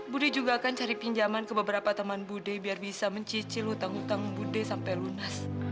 budi juga akan cari pinjaman ke beberapa teman bude biar bisa mencicil hutang hutang bude sampai lunas